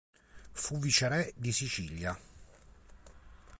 Fu viceré di Sicilia.